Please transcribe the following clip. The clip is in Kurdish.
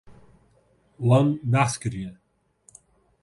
Wan behs kiriye.